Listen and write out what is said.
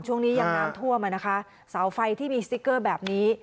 ช่วงนี้ยังน้ำท่วมอ่ะนะคะเสาไฟที่มีสติ๊กเกอร์แบบนี้